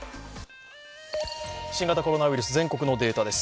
新型コロナウイルス、全国のデータです。